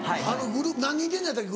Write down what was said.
何人いてんやったっけ？